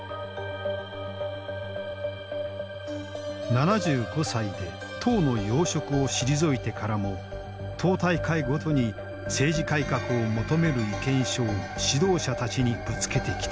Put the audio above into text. ７５歳で党の要職を退いてからも党大会ごとに政治改革を求める意見書を指導者たちにぶつけてきた。